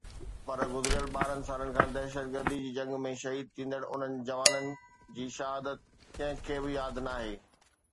پر گذريل ٻارهن سالن کان دهشتگردي جي جنگ ۾ شهيد ٿيندڙ انهن جوانن جي شهادت ڪنهن کي به ياد ناهي.